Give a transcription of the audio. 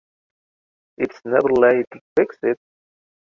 It’s never late to fix it.